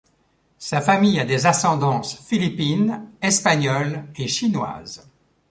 Sa famille a des ascendances philippines, espagnoles et chinoises.